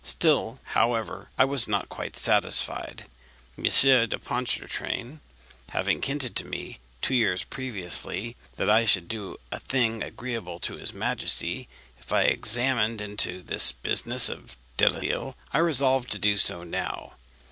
Still, however, I was not quite satisfied. M. de Pontchartrain having hinted to me, two years previously, that I should do a thing agreeable to his majesty if I examined into this business of Delisle, I resolved to do so now.